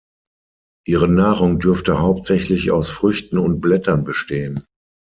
Ihre Nahrung dürfte hauptsächlich aus Früchten und Blättern bestehen.